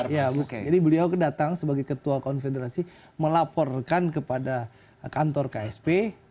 jadi beliau kedatang sebagai ketua konfederasi melaporkan kepada kantor ksp